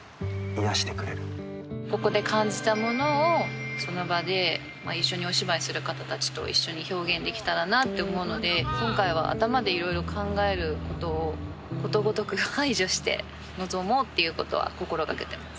ここで感じたものをその場で一緒にお芝居する方たちと一緒に表現できたらなと思うので今回は頭でいろいろ考えることをことごとく排除して臨もうっていうことは心がけてます。